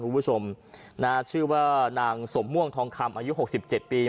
คุณผู้ชมนะฮะชื่อว่านางสมม่วงทองคำอายุหกสิบเจ็ดปี